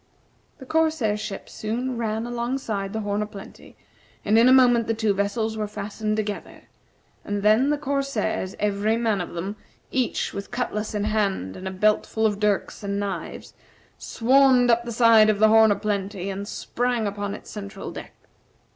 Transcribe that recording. The corsair ship soon ran alongside the "Horn o' Plenty," and in a moment the two vessels were fastened together; and then the corsairs, every man of them, each with cutlass in hand and a belt full of dirks and knives, swarmed up the side of the "Horn o' Plenty," and sprang upon its central deck.